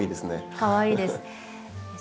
かわいいです。